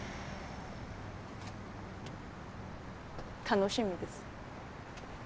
楽しみです。